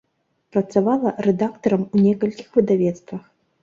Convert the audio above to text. Працавала рэдактарам у некалькіх выдавецтвах.